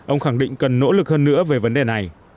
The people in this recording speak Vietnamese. ông khẳng định cần nỗ lực hơn nữa về vấn đề này